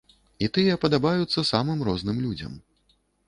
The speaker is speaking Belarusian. І тыя падабаюцца самым розным людзям.